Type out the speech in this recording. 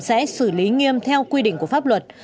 sẽ xử lý nghiêm theo quy định của pháp luật